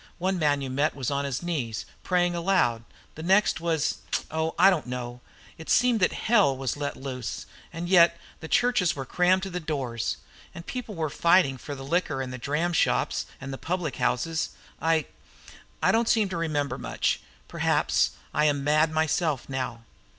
One man you met was on his knees, praying aloud; the next was oh, I don't know! It seemed that hell was let loose; and yet the churches were crammed to the doors. And people were fighting for the liquor in the dram shops and the public houses. I I don't seem to remember much; perhaps I'm mad myself now.